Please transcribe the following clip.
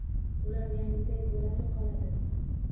Ular yangiday bo'ladi qoladi.